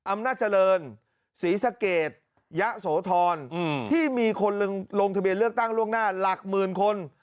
อำนาจเจริญศรีสะเกดยะโสธรที่มีคนลงทะเบียนเลือกตั้งล่วงหน้าหลักหมื่นคน